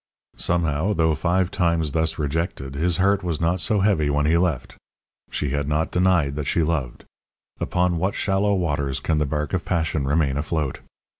Somehow, though five times thus rejected, his heart was not so heavy when he left. She had not denied that she loved. Upon what shallow waters can the bark of passion remain afloat!